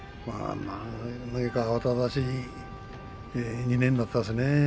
なんか慌ただしい２年だったですね。